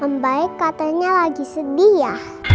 membaik katanya lagi sedih ya